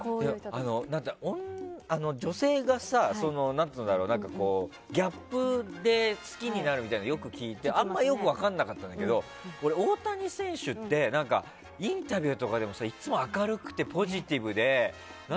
女性が、ギャップで好きになるみたいなのをよく聞いて、あんまりよく分かんなかったんだけど大谷選手ってインタビューとかでもさいつも明るくてポジティブで。